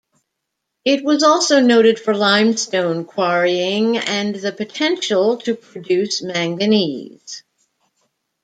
It was also noted for limestone quarrying and the potential to produce manganese.